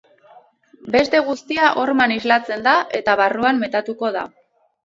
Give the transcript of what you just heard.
Beste guztia horman islatzen da eta barruan metatuko da.